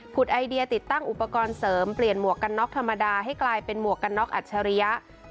ไอเดียติดตั้งอุปกรณ์เสริมเปลี่ยนหมวกกันน็อกธรรมดาให้กลายเป็นหมวกกันน็อกอัจฉริยะ